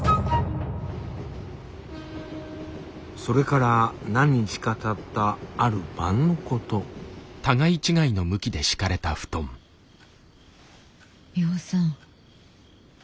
それから何日かたったある晩のことミホさん